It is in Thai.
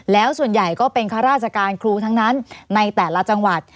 แล้วส่วนใหญ่ก็เป็นข้าราชการครูทั้งนั้นในแต่ละจังหวัด